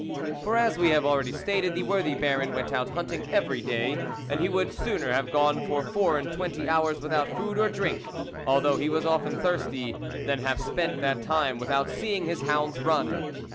For, as we have already stated, the worthy Baron went out hunting every day, and he would sooner have gone for four and twenty hours without food or drink, although he was often thirsty, than have spent that time without seeing his hounds run.